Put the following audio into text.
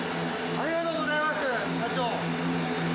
ありがとうございます社長。